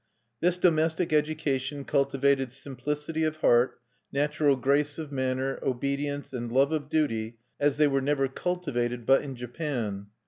This domestic education cultivated simplicity of heart, natural grace of manner, obedience, and love of duty as they were never cultivated but in Japan.